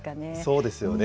そうですよね。